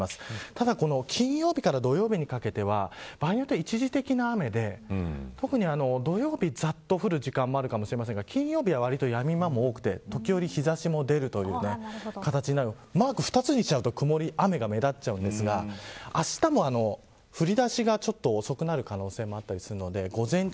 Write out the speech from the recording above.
ただ、金曜から土曜日にかけては場合によっては一時的な雨で特に土曜日、ざっと降る時間帯もあるかもしれませんが金曜日は割とやみ間も多くて時折日差しも出るという形なのでマークを２つにしちゃうと雨が目立っちゃうんですがあしたも降り出しがちょっと遅くなる可能性もあったりするので。